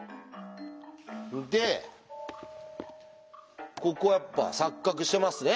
でここやっぱ錯角してますね？